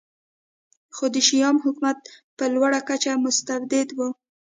خو د شیام حکومت په لوړه کچه مستبد و